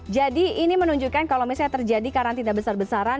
jadi ini menunjukkan kalau misalnya terjadi karantina besar besaran